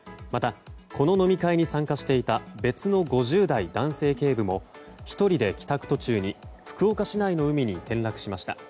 また、この飲み会に参加していた別の５０代男性警部も１人で帰宅途中に福岡市内の海に転落しました。